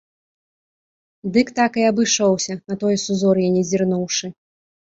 Дык так і абышоўся, на тое сузор'е не зірнуўшы.